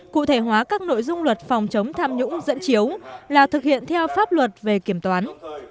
cụ thể hóa các nội dung luật phòng chống tham nhũng dẫn chiếu là thực hiện theo pháp luật về kiểm toán